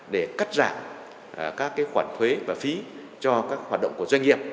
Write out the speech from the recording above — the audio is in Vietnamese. để cắt giảm các khoản thuế và phí cho các hoạt động của doanh nghiệp